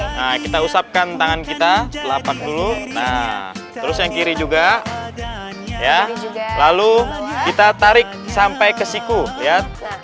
nah kita usapkan tangan kita telapak dulu nah terus yang kiri juga ya lalu kita tarik sampai ke siku ya